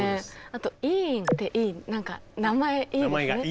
あと伊尹って何か名前いいですね。